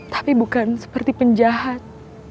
tapi bukan seperti penjahat